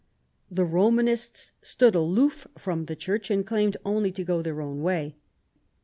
The Romanists stood aloof from the Church, and claimed only to go their own way.